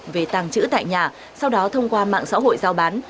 về tàng trữ tại nhà sau đó thông qua mạng xã hội giao bán